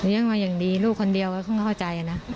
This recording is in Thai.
ยังว่าอย่างดีลูกคนเดียวเขาเข้าใจ